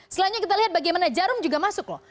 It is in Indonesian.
selanjutnya kita lihat bagaimana jarum juga masuk loh